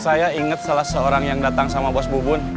saya ingat salah seorang yang datang sama bos bubun